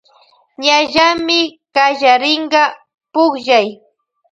Ñallamy kallarinka pullay.